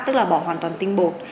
tức là bỏ hoàn toàn tinh bột